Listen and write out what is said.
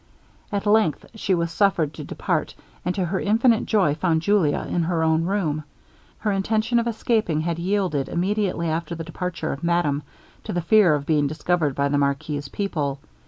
At length she was suffered to depart, and to her infinite joy found Julia in her own room. Her intention of escaping had yielded, immediately after the departure of madame, to the fear of being discovered by the marquis's people.